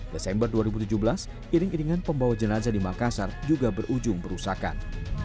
desember dua ribu tujuh belas iring iringan pembawa jenazah di makassar juga berujung perusakan